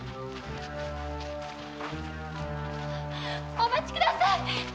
お待ちください！